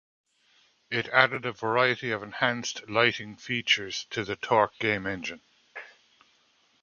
It added a variety of enhanced lighting features to the Torque Game Engine.